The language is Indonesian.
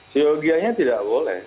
psikologianya tidak boleh